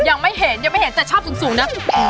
ยังไม่เห็นยังไม่เห็นแต่ชอบสูงนะ